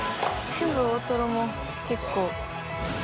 全部大トロも結構。